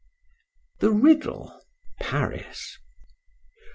THE RIDDLE. PARIS.